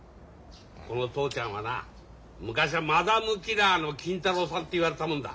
この父ちゃんはな昔はマダムキラーの金太郎さんって言われたもんだ。